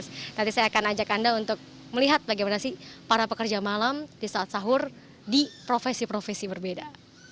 nanti saya akan ajak anda untuk melihat bagaimana sih para pekerja malam di saat sahur di profesi profesi berbeda